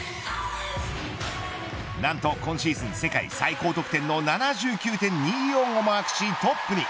なんと今シーズン世界最高得点の７９．２４をマークしトップに。